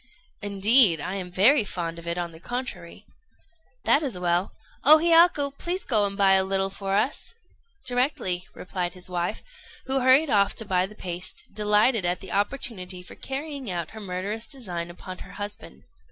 "Indeed, I am very fond of it, on the contrary." "That is well. O Hiyaku, please go and buy a little for us." "Directly," replied his wife, who hurried off to buy the paste, delighted at the opportunity for carrying out her murderous design upon her husband.